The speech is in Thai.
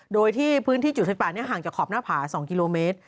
โดยที่พื้นที่จุดไฟป่านี้ห่างจากขอบหน้าผา๒กิโลเมตร